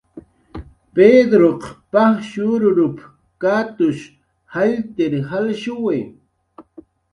"Pedruq paj shururup"" katshuw jaylltir jalshuwi"